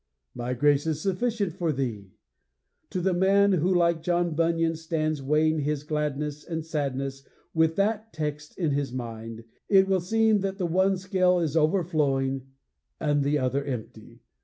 My grace is sufficient for thee! To the man who like John Bunyan, stands weighing his gladnesses and sadnesses with that text in his mind, it will seem that the one scale is overflowing and the other empty.